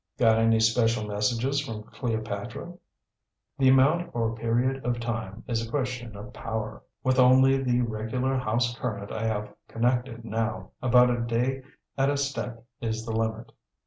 "Got any special messages from Cleopatra?" "The amount or period of time is a question of power. With only the regular house current I have connected now, about a day at a step is the limit.